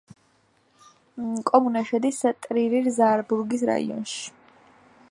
კომუნა შედის ტრირ-ზაარბურგის რაიონში.